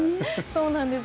そうなんです。